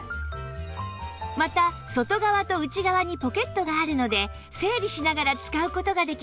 また外側と内側にポケットがあるので整理しながら使う事ができます